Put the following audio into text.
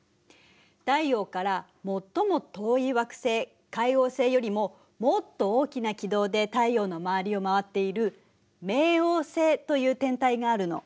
太陽から最も遠い惑星海王星よりももっと大きな軌道で太陽の周りをまわっている冥王星という天体があるの。